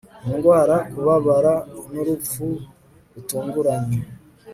indwara kubabara n urupfu rutunguranye